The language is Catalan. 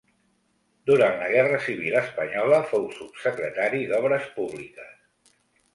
Durant la guerra civil espanyola fou subsecretari d'obres públiques.